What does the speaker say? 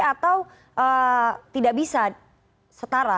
atau tidak bisa setara